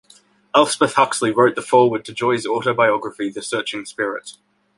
Elspeth Huxley wrote the foreword to Joy's autobiography "The Searching Spirit".